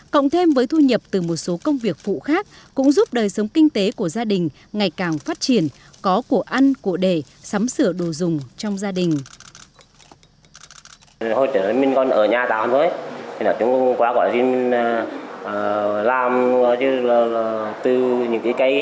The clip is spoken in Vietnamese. cộng thêm với thu nhập từ một số công việc phụ khác cũng giúp đời sống kinh tế của gia đình ngày càng phát triển có cổ ăn cổ đề sắm sửa đồ dùng trong gia đình